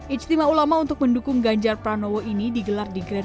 ijtima ulama untuk mendukung ganjar pranowo ini digelar di grand